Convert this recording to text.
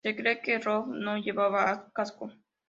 Se cree que Rob no llevaba casco.